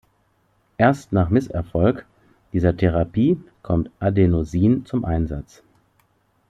Erst nach Misserfolg dieser Therapie kommt Adenosin zum Einsatz.